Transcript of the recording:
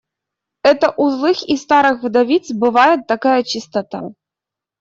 Это у злых и старых вдовиц бывает такая чистота.